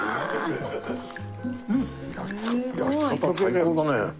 すごい！焼き方最高だね。